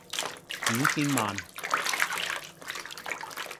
五千萬